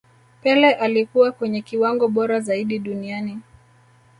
pele alikuwa kwenye kiwango bora zaidi duniani